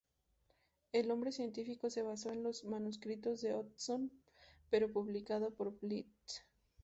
El nombre científico se basó en los manuscrito de Hodgson pero publicado por Blyth.